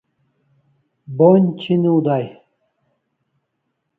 Bonj chiniw day